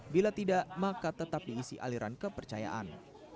bila tidak maka tetap diisi aliran kepercayaan